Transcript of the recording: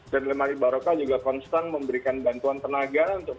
dan lemari merokah juga konstan memberikan bantuan tenaga untuk kembali ke masyarakat